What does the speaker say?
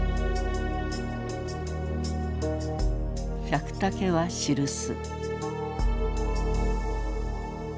百武は記す。